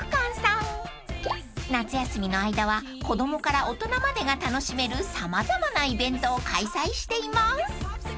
［夏休みの間は子供から大人までが楽しめる様々なイベントを開催しています］